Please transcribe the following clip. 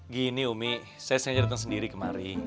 gini umi saya sengaja datang sendiri kemarin